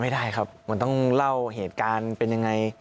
ไม่ได้ครับมันต้องเล่าเหตุการณ์เป็นยังไง